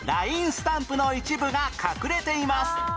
スタンプの一部が隠れています